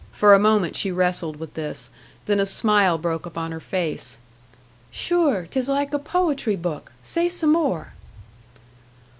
For a moment she wrestled with this. Then a smile broke upon her face. "Sure, 'tis like a poetry book! Say some more!"